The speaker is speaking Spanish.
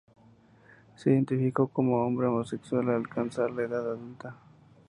Se identificó como hombre homosexual al alcanzar la edad adulta.